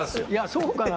そうかな？